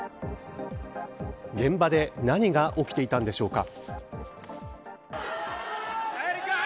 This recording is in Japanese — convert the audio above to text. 現場で何が起きていたんでしょうか。